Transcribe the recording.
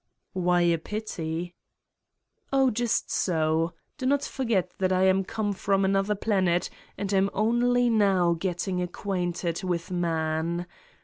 "Why a pity?" "Oh, just so. Do 7 not forget that I am come from another planet and am only now getting acquainted with man.